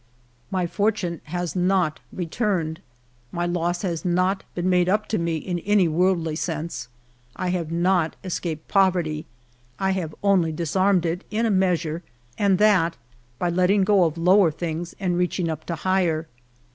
My fortune has not returned ; my loss has not been made up to me in any worldly sense ; I have not escaped poverty ; I have only disarmed it, in a measure, and that by letting go of lower things and reaching up to higher.